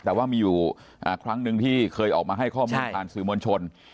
แต่ว่ามีอยู่ครั้งหนึ่งที่เคยออกมาให้ข้อมูลผ่านสื่อมวลชน